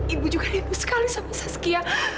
ibu juga heboh sekali sama saskia